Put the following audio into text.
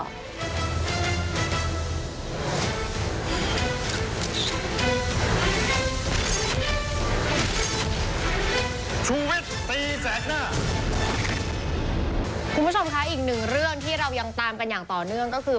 คุณผู้ชมค่ะอีกหนึ่งเรื่องที่เรายังปัญญาห์ต่อเนื่องคือ